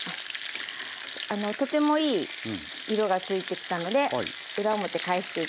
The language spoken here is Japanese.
とてもいい色が付いてきたので裏表返していきますね。